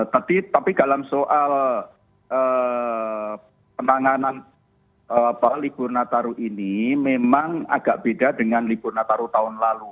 tapi dalam soal penanganan libur nataru ini memang agak beda dengan libur nataru tahun lalu